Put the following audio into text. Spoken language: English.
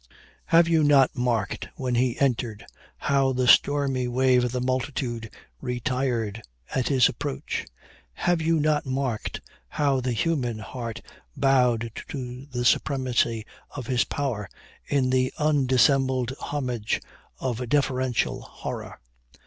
Have you not marked, when he entered, how the stormy wave of the multitude retired at his approach? Have you not marked how the human heart bowed to the supremacy of his power, in the undissembled homage of deferential horror?